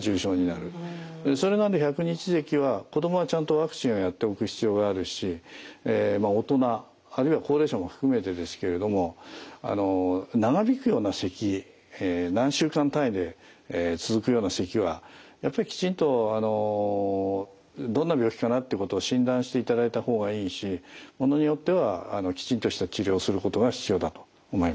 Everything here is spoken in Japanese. それまで百日ぜきは子どもはちゃんとワクチンをやっておく必要があるし大人あるいは高齢者も含めてですけれども長引くようなせき何週間単位で続くようなせきはやっぱりきちんとどんな病気かなってことを診断していただいた方がいいしものによってはきちんとした治療をすることが必要だと思います。